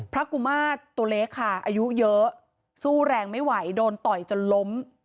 กุมาตรตัวเล็กค่ะอายุเยอะสู้แรงไม่ไหวโดนต่อยจนล้ม